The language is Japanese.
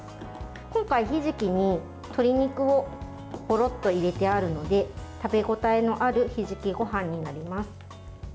今回、ひじきに鶏肉をゴロッと入れてあるので食べ応えのあるひじきごはんになります。